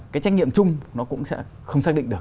cái trách nhiệm chung nó cũng sẽ không xác định được